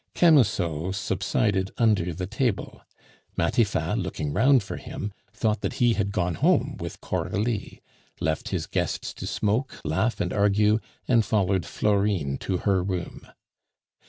Camusot subsided under the table; Matifat, looking round for him, thought that he had gone home with Coralie, left his guests to smoke, laugh, and argue, and followed Florine to her room.